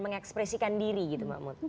mengekspresikan diri gitu mbak mut